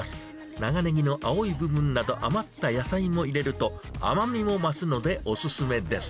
長ネギの青い部分など、余った野菜も入れると、甘みも増すのでお勧めです。